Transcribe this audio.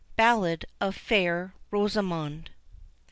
BALLAD OF FAIR ROSAMOND.